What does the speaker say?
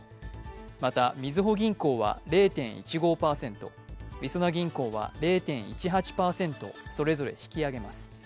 また、みずほ銀行は０．１５％、りそな銀行は０．１８％、それぞれ引き上げます。